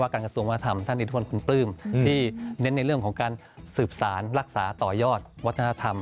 การกระทรวงวัฒนธรรมท่านอิทวนคุณปลื้มที่เน้นในเรื่องของการสืบสารรักษาต่อยอดวัฒนธรรม